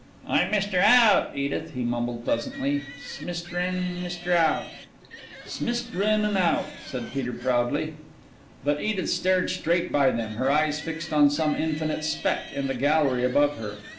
"I'm Mr. Out, Edith," he mumbled pleasantly. "S'misterin Misterout." "'Smisterinanout," said Peter proudly. But Edith stared straight by them, her eyes fixed on some infinite speck in the gallery above her.